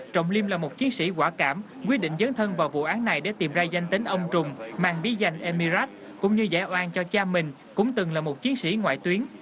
trọng liêm là một chiến sĩ quả cảm quyết định dấn thân vào vụ án này để tìm ra danh tính ông trùng mang bí danh em emirat cũng như giải oan cho cha mình cũng từng là một chiến sĩ ngoại tuyến